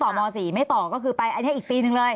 ตอนที่จะไปอยู่โรงเรียนนี้แปลว่าเรียนจบมไหนคะ